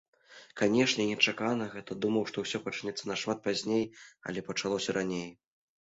Канешне, нечакана гэта, думаў, што усё пачнецца нашмат пазней, але пачалося раней.